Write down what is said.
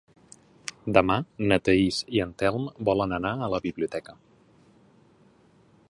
Demà na Thaís i en Telm volen anar a la biblioteca.